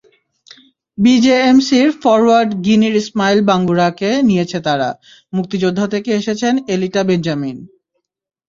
বিজেএমসির forward গিনির Ismail বাঙ্গুরাকে নিয়েছে তারা, মুক্তিযোদ্ধা থেকে এসেছেন এলিটা বেঞ্জামিন।